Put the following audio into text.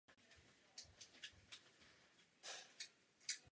Tento stav vede k omezení předchozí aktivity nemocného.